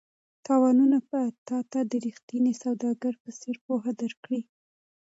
تاوانونه به تا ته د ریښتیني سوداګر په څېر پوهه درکړي.